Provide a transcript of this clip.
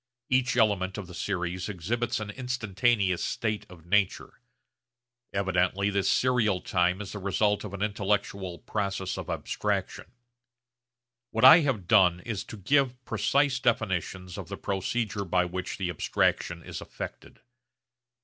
Each element of the series exhibits an instantaneous state of nature. Evidently this serial time is the result of an intellectual process of abstraction. What I have done is to give precise definitions of the procedure by which the abstraction is effected.